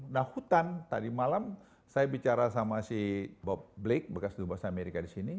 nah hutan tadi malam saya bicara sama si bob blake bekas dubas amerika di sini